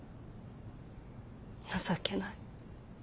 情けない。